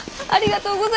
ああありがとう。